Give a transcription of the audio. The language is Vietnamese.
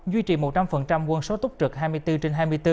duy trì một trăm linh quân số túc trực hai mươi bốn trên hai mươi bốn